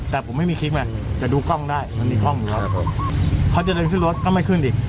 แต่ผมไม่มีคลิปไงจะดูกล้องได้มันมีกล้องอยู่ครับผมพอจะเดินขึ้นรถก็ไม่ขึ้นอีก